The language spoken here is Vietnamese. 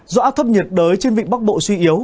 do áp thấp nhiệt đới trên vịnh bắc bộ suy yếu